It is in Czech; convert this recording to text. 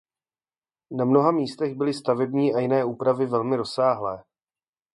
Na mnoha místech byly stavební a jiné úpravy velmi rozsáhlé.